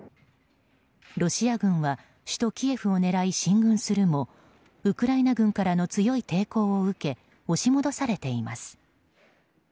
ロシア軍は首都キエフを狙い進軍するもウクライナ軍からの強い抵抗を受け押し戻されています。